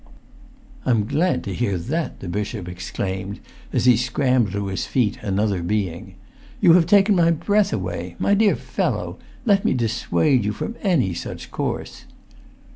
"I'm glad to hear that!" the bishop exclaimed, as[Pg 383] he scrambled to his feet another being. "You have taken my breath away! My dear fellow, let me dissuade you from any such course."